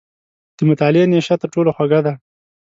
• د مطالعې نیشه تر ټولو خوږه ده.